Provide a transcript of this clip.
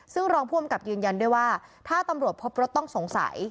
ซึ่งรองผู้อำกับยืนยันด้วยว่าถ้าตำรวจพบรถต้องสงสัย